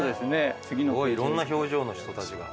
いろんな表情の人たちが。